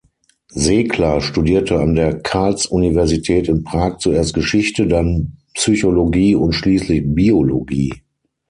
Sekla studierte an der Karls-Universität in Prag zuerst Geschichte, dann Psychologie und schließlich Biologie.